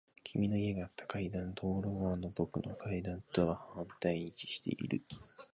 君の家があった階段。道路側の僕の階段とは反対に位置している。